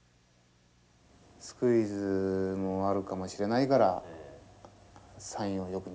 スクイズもあるかもしれないからサインをよく見とくように。